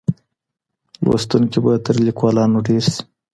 لوستونکي به تر ليکوالانو ډېر سي.